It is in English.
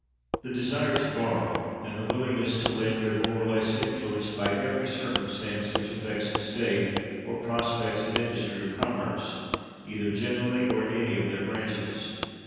The desire to borrow and the willingness to lend are more or less influenced by every circumstance which affects the state or prospects of industry or commerce, either generally or in any of their branches.